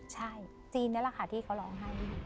ใช่จีนนี่แหละค่ะที่เขาร้องไห้